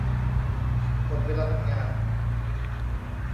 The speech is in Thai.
หมดเวลาทำงาน